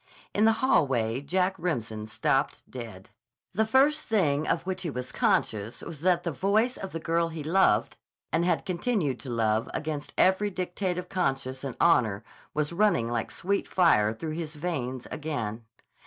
In the hallway Jack Remsen stopped dead. The first thing of which he was conscious was that the voice of the girl he loved and had continued to love against every dictate of conscience and honor was running like sweet fire through his veins again.